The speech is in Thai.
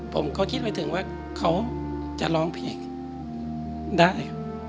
ผมเขาคิดไม่ถึงว่าเขาจะร้องเพลงได้